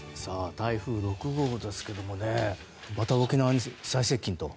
台風６号ですけどもまた沖縄に再接近と。